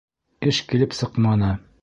Эш килеп сыҡманы.